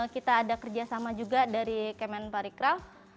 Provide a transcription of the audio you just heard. kita ada kerjasama juga dari kemen parikraf